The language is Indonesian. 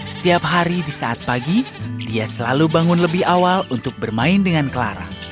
setiap hari di saat pagi dia selalu bangun lebih awal untuk bermain dengan clara